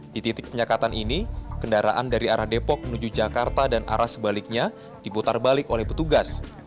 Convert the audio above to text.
di titik penyekatan ini kendaraan dari arah depok menuju jakarta dan arah sebaliknya diputar balik oleh petugas